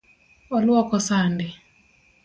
Oluoko sande.